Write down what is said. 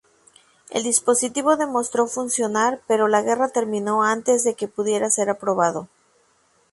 El dispositivo demostró funcionar, pero la guerra terminó antes de que pudiera ser aprobado.